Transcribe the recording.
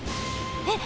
えっ？